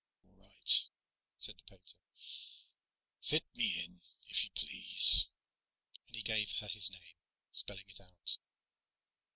"All right," said the painter, "fit me in, if you please." And he gave her his name, spelling it out.